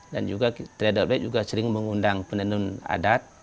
dan juga trail of life sering mengundang penonton adat